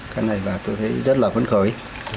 cái này tôi thấy rất là vấn khởi